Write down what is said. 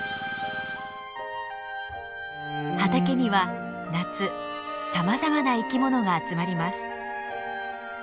畑には夏さまざまな生きものが集まります。